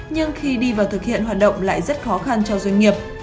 nhưng khi đi vào thực hiện hoạt động lại rất khó khăn cho doanh nghiệp